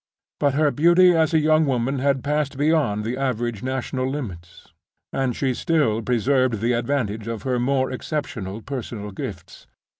But her beauty as a young woman had passed beyond the average national limits; and she still preserved the advantage of her more exceptional personal gifts.